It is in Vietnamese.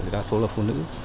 đa số là phụ nữ